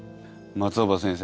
松尾葉先生